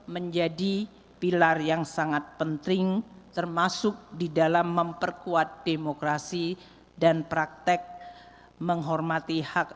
menjadi pilar yang sangat penting termasuk di dalam memperkuat demokrasi dan praktek menghormati hak